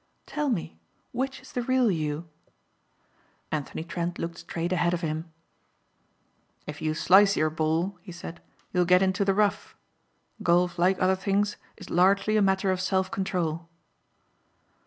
"Tell me, which is the real you?" Anthony Trent looked straight ahead of him. "If you slice your ball," he said, "you'll get into the rough. Golf, like other things is largely a matter of self control."